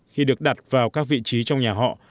khi được đặt vào các vị trí trong nhà họ